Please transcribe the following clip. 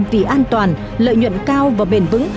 vì an toàn lợi nhuận cao và bền vững